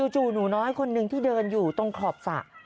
จู่หนูน้อยคนนึงที่เดินอยู่ตรงขอบสระ